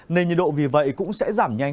nền nhiệt độ vì vậy cũng sẽ giảm nhanh